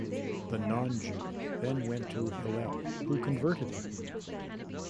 The non-Jew then went to Hillel, who converted him.